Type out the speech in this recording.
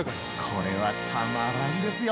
これはたまらんですよ！